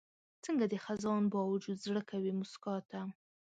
څنګه د خزان باوجود زړه کوي موسکا ته؟